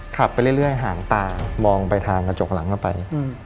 ไปเรื่อยห่างตามองไปทางกระจกหลังเข้าไป